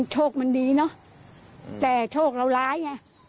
โชคมันดีแต่โชคเหล่าร้าย